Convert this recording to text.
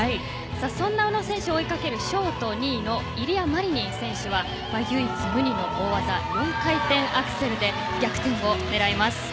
そんな宇野選手を追いかけるショート２位のイリア・マリニン選手は唯一無二の大技４回転アクセルで逆転を狙います。